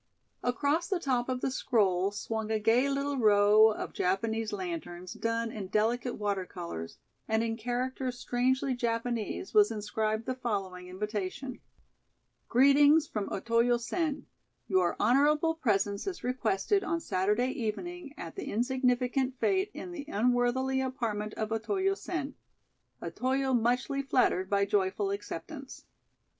Across the top of the scroll swung a gay little row of Japanese lanterns done in delicate water colors, and in characters strangely Japanese was inscribed the following invitation: "Greetings from Otoyo Sen: Your honorable presence is requested on Saturday evening at the insignificant fête in the unworthily apartment of Otoyo Sen. Otoyo muchly flattered by joyful acceptance."